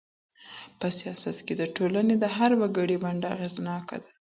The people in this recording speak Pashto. په سياست کي د ټولني د هر وګړي ونډه اغېزناکه ده.